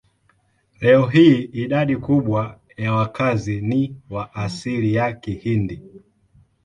Leo hii idadi kubwa ya wakazi ni wa asili ya Kihindi.